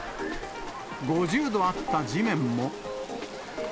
５０度あった地面も。